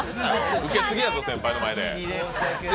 ウケすぎやぞ、先輩の前で。